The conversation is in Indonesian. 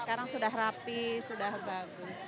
sekarang sudah rapi sudah bagus